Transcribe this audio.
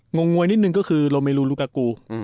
งงวยนิดนึงก็คือโรเมลูลูกากู